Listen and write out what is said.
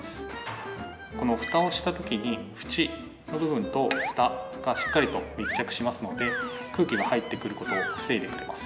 このフタをした時に縁の部分とフタがしっかりと密着しますので空気が入ってくる事を防いでくれます。